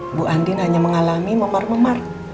ibu andin hanya mengalami memar memar